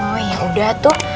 oh yaudah tuh